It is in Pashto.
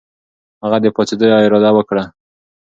هغه د پاڅېدو اراده وکړه.